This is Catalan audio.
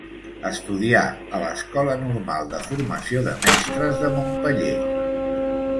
Estudià a l’Escola Normal de Formació de Mestres de Montpeller.